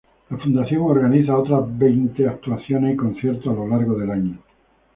La Fundación organiza otras veinte actuaciones y conciertos a lo largo del año.